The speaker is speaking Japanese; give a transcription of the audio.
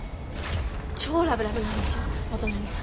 超ラブラブなんでしょお隣さん。